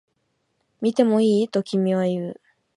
見てもいい？と君は言う